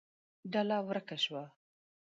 ډله ورکه شوه.